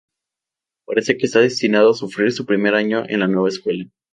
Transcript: Parece que está destinado a sufrir su primer año en la nueva escuela.